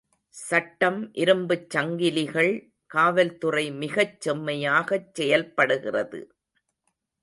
சட்டம் இரும்புச் சங்கிலிகள் காவல்துறை மிகச் செம்மையாகச் செயல்படுகிறது.